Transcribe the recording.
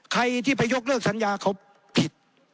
ใครที่ไปยกเลิกสัญญาเขาผิด